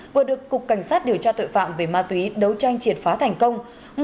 vừa được cục cảnh sát điều tra tội phạm về ma túy đấu tranh triệt phá thành công